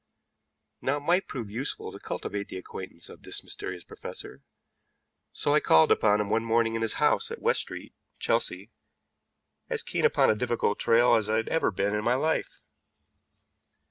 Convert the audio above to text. Now it might prove useful to cultivate the acquaintance of this mysterious professor, so I called upon him one morning in his house at West Street, Chelsea, as keen upon a difficult trail as I had ever been in my life.